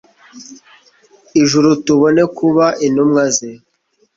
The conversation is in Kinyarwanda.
ijuru; tubone kuba intumwa ze